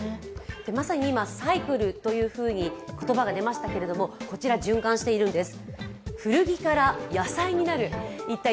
まさに今「サイクル」という言葉が出ましたけど、こちら、循環しているんです。